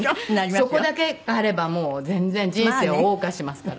そこだけあればもう全然人生を謳歌しますから。